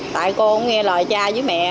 tại con nghe lời cha với mẹ